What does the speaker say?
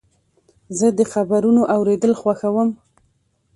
زه د خبرونو اورېدل خوښوم.